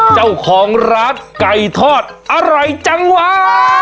เจ้าของร้านไก่ทอดอร่อยจังหวะ